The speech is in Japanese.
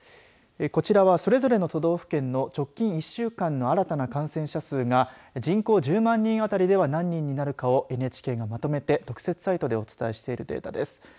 こちらはそれぞれの都道府県の直近１週間の新たな感染者数が人口１０万人あたりでは何人になるかをＮＨＫがまとめて特設サイトでお伝えしているデータです。